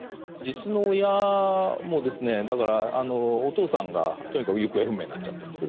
実の親もですねだからお父さんがとにかく行方不明になっちゃった。